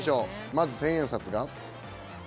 まず千円札が。